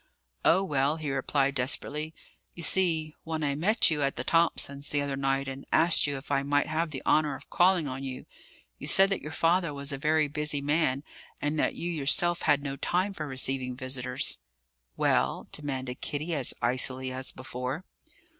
"Oh, well," he replied desperately: "you see, when I met you at the Thomsons' the other night, and asked you if I might have the honour of calling on you, you said that your father was a very busy man and that you yourself had no time for receiving visitors." "Well?" demanded Kitty, as icily as before.